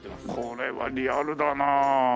これはリアルだなあ。